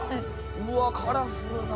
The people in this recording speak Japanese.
うわっカラフルな。